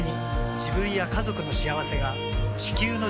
自分や家族の幸せが地球の幸せにつながっている。